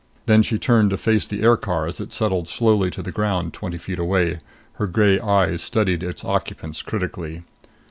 Then she turned to face the aircar as it settled slowly to the ground twenty feet away. Her gray eyes studied its occupants critically.